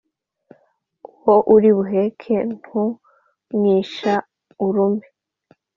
“uwo uri buheke ntumwisha urume!”